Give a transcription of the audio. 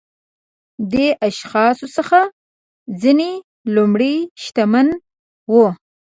دې اشخاصو څخه ځینې لومړيو شتمن وو.